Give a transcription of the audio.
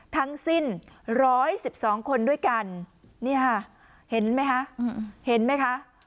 ทั้งสิ้นร้อยสิบสองคนด้วยกันเนี่ยฮะเห็นไหมฮะ